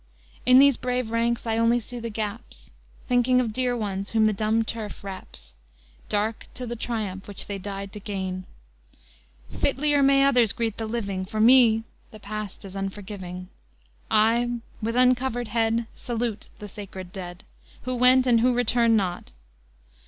In these brave ranks I only see the gaps, Thinking of dear ones whom the dumb turf wraps, Dark to the triumph which they died to gain: Fitlier may others greet the living, For me the past is unforgiving; I with uncovered head Salute the sacred dead, Who went, and who return not.